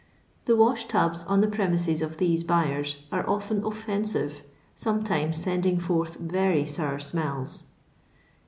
The wash tubs on the premises of these buyers are often offensive, sometimes sending forth very sour smells.